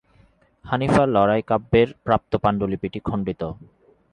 হানিফার লড়াই কাব্যের প্রাপ্ত পান্ডুলিপিটি খন্ডিত।